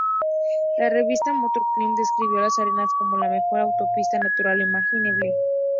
La revista "Motor Cycle" describió las arenas como "la mejor autopista natural imaginable".